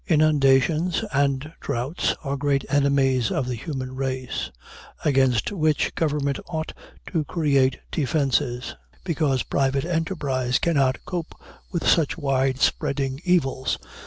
Inundations and droughts are great enemies of the human race, against which government ought to create defenses, because private enterprise cannot cope with such wide spreading evils.